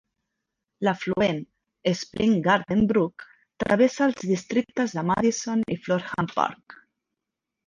L'afluent Spring Garden Brook travessa els districtes de Madison i Florham Park.